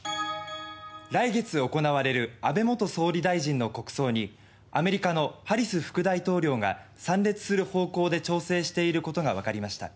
来月行われる安倍元総理大臣の国葬にアメリカのハリス副大統領が参列する方向で調整している事がわかりました。